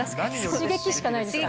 刺激しかないですから。